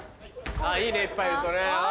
いいねいっぱいいるとねあ